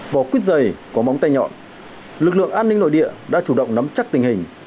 vỏ quýt dày có móng tay nhọn lực lượng an ninh nội địa đã chủ động nắm chắc tình hình